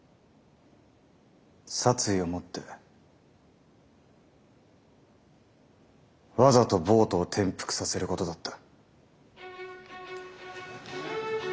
殺意をもってわざとボートを転覆させることだった。